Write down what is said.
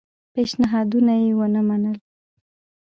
پېشنهادونه یې ونه منل.